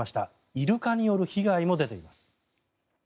イルカによる被害も出ています。